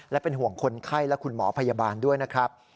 และเป็นห่วงคนไข้และคุณหมอพยาบาลด้วยนะครับ